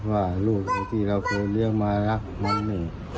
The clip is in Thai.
เพราะว่าลูกที่เราเคยเลี้ยงมารักมัน